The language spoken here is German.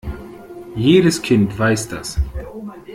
Jedes Kind weiß das.